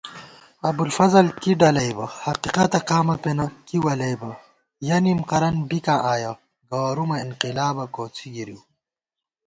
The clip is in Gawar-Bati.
ابُوالفضل کی ڈلَئیبہ، حقیقَتہ قامہ پېنہ کی ولیَئیبہ * یَہ نِم قرَن بِکاں آیَہ، گوَرُومَہ انقِلابہ کوڅی گِرِیؤ